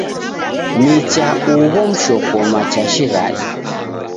Micha ugho mshokoma cha shighadi.